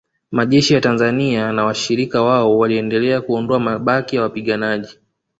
Majeshi ya Tanzania na washirika wao waliendelea kuondoa mabaki ya wapiganaji